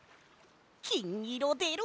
きんいろでろ！